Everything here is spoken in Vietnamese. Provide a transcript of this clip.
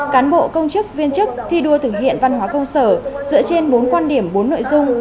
cán bộ công chức viên chức thi đua thực hiện văn hóa công sở dựa trên bốn quan điểm bốn nội dung